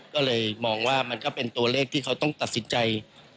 ก็เลยมองว่ามันก็เป็นตัวเลขที่เขาต้องตัดสินใจ